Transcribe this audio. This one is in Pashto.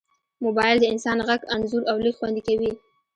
موبایل د انسان غږ، انځور، او لیک خوندي کوي.